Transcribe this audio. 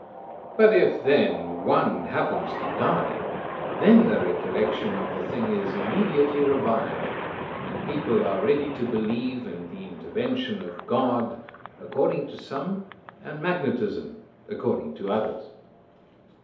But, if, then one happens to die, then the recollection of the thing is immediately revived, and people are ready to believe in the intervention of God, according to some, and magnetism, according to others."